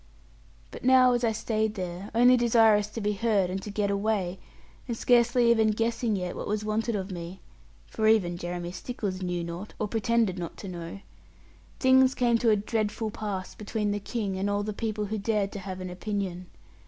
But now as I stayed there, only desirous to be heard and to get away, and scarcely even guessing yet what was wanted of me (for even Jeremy Stickles knew not, or pretended not to know), things came to a dreadful pass between the King and all the people who dared to have an opinion.